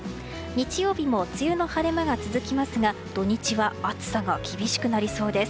日曜日も梅雨の晴れ間が続きますが土日は暑さが厳しくなりそうです。